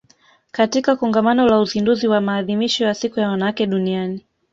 katika Kongamano la Uzinduzi wa Maadhimisho ya Siku ya Wanawake Duniani